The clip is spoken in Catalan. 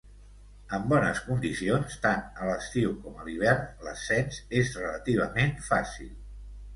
En bones condicions, tant a l'estiu com a l'hivern, l'ascens és relativament fàcil.